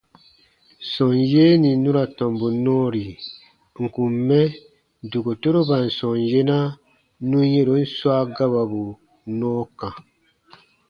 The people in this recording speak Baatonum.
Sɔm yee nì nu ra tɔmbu nɔɔri ǹ kun mɛ dokotoroban sɔm yena nù yɛ̃ron swa gawabu nɔɔ kã.